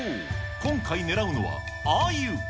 今回狙うのは、あゆ。